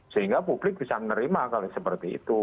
sehingga publik bisa menerima kalau seperti itu